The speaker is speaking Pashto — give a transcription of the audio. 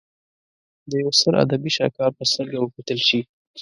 د یوه ستر ادبي شهکار په سترګه وکتل شي.